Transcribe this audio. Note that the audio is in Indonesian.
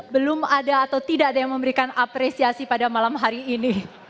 belum ada atau tidak ada yang memberikan apresiasi pada malam hari ini